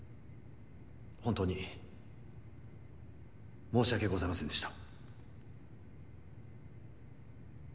本当に申し訳ございませんでした。